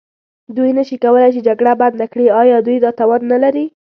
دوی نه شي کولای چې جګړه بنده کړي، ایا دوی دا توان نه لري؟